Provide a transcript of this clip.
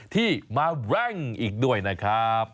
ที่มาแบร่งอีกด้วยนะครับ